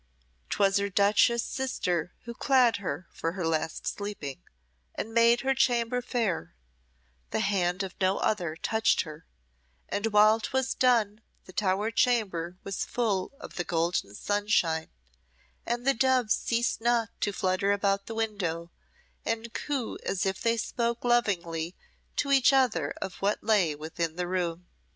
'Twas her duchess sister who clad her for her last sleeping, and made her chamber fair the hand of no other touched her; and while 'twas done the tower chamber was full of the golden sunshine, and the doves ceased not to flutter about the window, and coo as if they spoke lovingly to each other of what lay within the room.